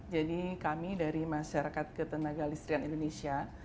jadi kami dari masyarakat ketenagalistri indonesia